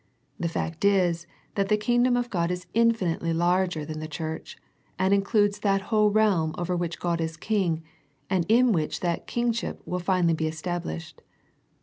The fact is that the Kingdom of God is infinitely larger than V the Church, and includes that whole realm over which God is King, and in which that King ship will finally be established.